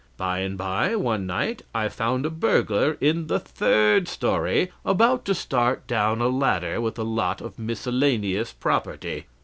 By and by, one night, I found a burglar in the third story, about to start down a ladder with a lot of miscellaneous property.